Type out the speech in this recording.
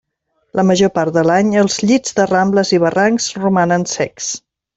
La major part de l'any els llits de rambles i barrancs romanen secs.